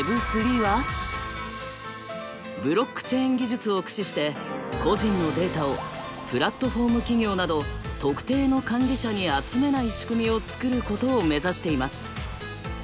ブロックチェーン技術を駆使して個人のデータを「プラットフォーム企業など特定の管理者に集めない仕組みを作ること」を目指しています。